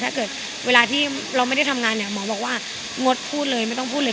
ถ้าเกิดเวลาที่เราไม่ได้ทำงานเนี่ยหมอบอกว่างดพูดเลยไม่ต้องพูดเลย